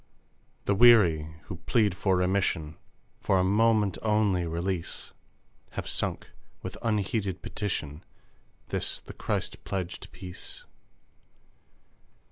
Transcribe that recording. The weary who plead for remission, For a moment only release, Have sunk, with unheeded petition This the Christ pledged Peace.